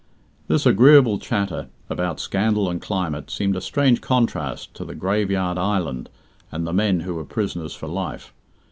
This agreeable chatter about scandal and climate seemed a strange contrast to the grave yard island and the men who were prisoners for life.